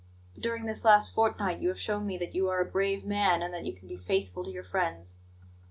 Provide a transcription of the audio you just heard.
But during this last fortnight you have shown me that you are a brave man and that you can be faithful to your friends.